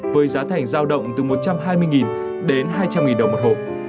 với giá thành giao động từ một trăm hai mươi đến hai trăm linh đồng một hộ